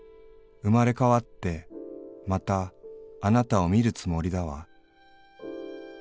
生れ変ってまたあなたを見るつもりだわ』